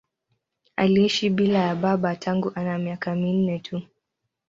Aliishi bila ya baba tangu ana miaka minne tu.